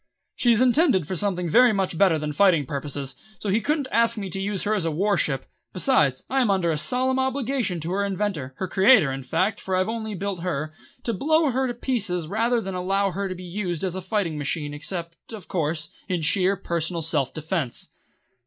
She is intended for something very much better than fighting purposes, so he couldn't ask me to use her as a war ship; besides, I am under a solemn obligation to her inventor her creator, in fact, for I've only built her to blow her to pieces rather than allow her to be used as a fighting machine except, of course, in sheer personal self defence.